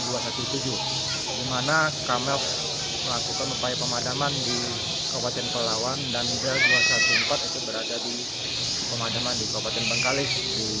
di mana kamel melakukan upaya pemadaman di kabupaten pelawan dan juga dua ratus empat belas itu berada di pemadaman di kabupaten bengkalis